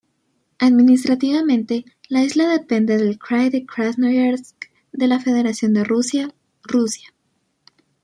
Administrativamente, la isla depende del krai de Krasnoyarsk de la Federación de Rusia, Rusia.